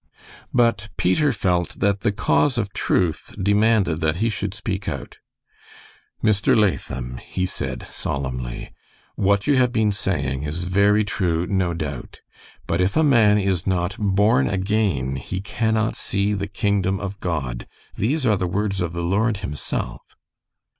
But Peter felt that the cause of truth demanded that he should speak out. "Mr. Latham," he said, solemnly, "what you have been saying is very true, no doubt, but if a man is not 'born again he cannot see the kingdom of God.' These are the words of the Lord himself."